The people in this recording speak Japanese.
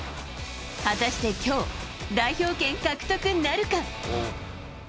果たして今日代表権獲得なるか？